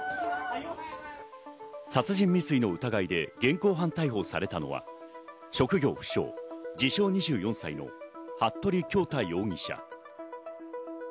殺人未遂の疑いで現行犯逮捕されたのは職業不詳、自称２４歳の服部恭太容疑者。